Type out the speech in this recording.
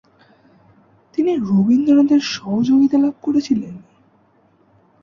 তিনি রবীন্দ্রনাথের সহযোগিতা লাভ করেছিলেন।